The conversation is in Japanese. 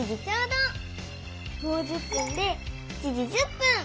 もう１０分で７時１０分。